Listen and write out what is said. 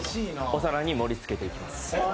お皿に盛りつけていきます。